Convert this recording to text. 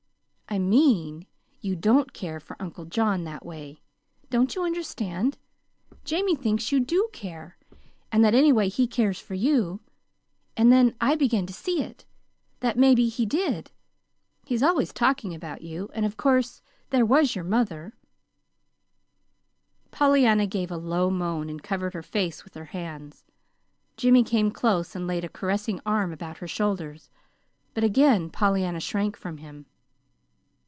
"I mean you don't care for Uncle John, that way. Don't you understand? Jamie thinks you do care, and that anyway he cares for you. And then I began to see it that maybe he did. He's always talking about you; and, of course, there was your mother " Pollyanna gave a low moan and covered her face with her hands. Jimmy came close and laid a caressing arm about her shoulders; but again Pollyanna shrank from him.